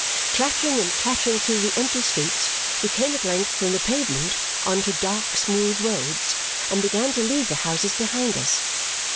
Clattering and clattering through the empty streets, we came at length from the pavement on to dark smooth roads and began to leave the houses behind us.